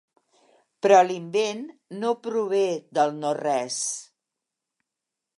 Però l'invent no prové del no-res.